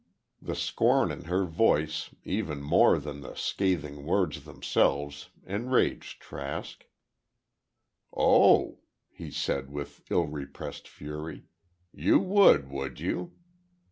The scorn in her voice, even more than the scathing words themselves, enraged Trask. "Oh," he said, with ill repressed fury, "you would, would you?